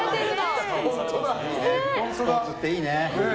スポーツっていいね。